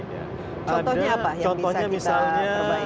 contohnya apa yang bisa kita perbaiki